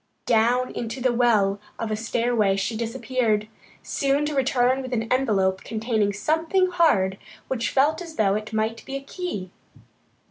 Down into the well of a stairway she disappeared, soon to return with an envelope containing something hard, which felt as though it might be a key.